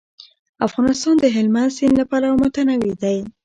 افغانستان د هلمند سیند له پلوه متنوع دی.